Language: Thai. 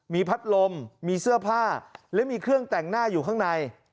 มีพัดลมมีเสื้อผ้าและมีเครื่องแต่งหน้าอยู่ข้างใน